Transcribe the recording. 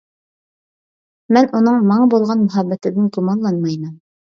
مەن ئۇنىڭ ماڭا بولغان مۇھەببىتىدىن گۇمانلانمايمەن.